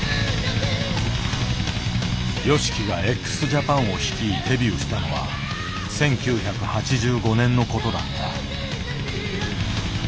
ＹＯＳＨＩＫＩがＸＪＡＰＡＮを率いデビューしたのは１９８５年のことだった。